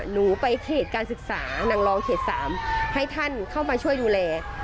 หนูไปเขตการศึกษานางรองเขต๓ให้ท่านเข้ามาช่วยดูแล